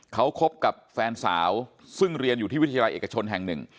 เขาคบกับแฟนสาวซึ่งเรียนอยู่ที่วิทยาลัยเอกชนแห่งหนึ่ง